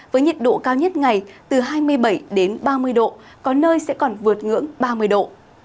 với nhiệt độ cao nhất ngày từ hai mươi bảy đến ba mươi độ có nơi sẽ còn vượt ngưỡng ba mươi độ